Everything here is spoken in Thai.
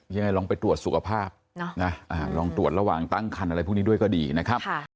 ยังไงลองไปตรวจสุขภาพลองตรวจระหว่างตั้งคันอะไรพวกนี้ด้วยก็ดีนะครับ